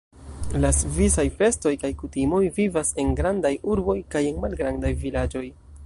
La svisaj festoj kaj kutimoj vivas en grandaj urboj kaj en malgrandaj vilaĝoj.